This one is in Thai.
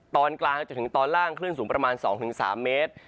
ตอนกลางจนถึงตอนล่างคลื่นสูงประมาณ๒๓เมตร